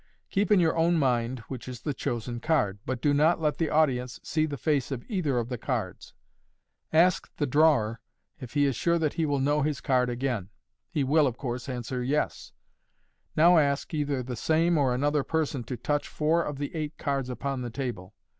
Keep in your own mind which is the chosen card, but do not let the audience see the face of either of the cards. Ask the drawer if he is sure that he will know his card again. He will, of course, answer " yes.n' Now ask either the same or another person to touch four of the eight cards upon the table.